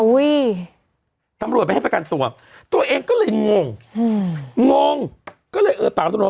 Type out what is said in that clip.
อุ้ยตำรวจไปให้ประกันตัวตัวเองก็เลยงงงงก็เลยเออปากตัวเนอะ